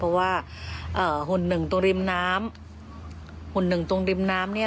เพราะว่าหุ่นหนึ่งตรงริมน้ำหุ่นหนึ่งตรงริมน้ำเนี่ย